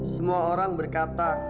semua orang berkata